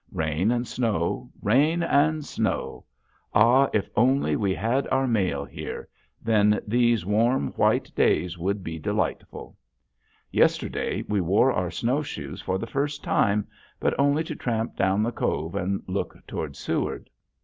Rain and snow, rain and snow! Ah, if only we had our mail here then these warm, white days would be delightful. Yesterday we wore our snowshoes for the first time, but only to tramp down the cove and look toward Seward.